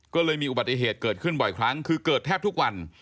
ก็เลยมีอุบัติเหตุเกิดขึ้นบ่อยครั้งคือเกิดแทบทุกวัน